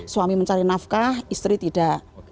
suami mencari nafkah istri tidak